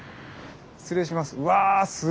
失礼します。